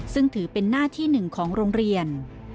ซึ่งถือเป็นหน้าที่หนึ่งของโรงเรียน